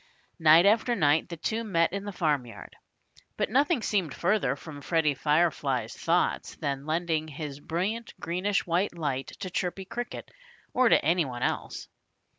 Night after night the two met in the farmyard. But nothing seemed further from Freddie Firefly's thoughts than lending his brilliant greenish white light to Chirpy Cricket, or to any one else.